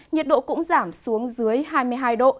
nhiệt độ cũng giảm xuống dưới hai mươi độ